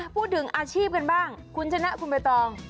พูดถึงอาชีพกันบ้างคุณชนะคุณใบตอง